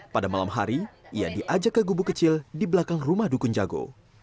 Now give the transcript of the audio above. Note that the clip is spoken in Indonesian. pada malam hari ia diajak ke gubu kecil di belakang rumah dukun jago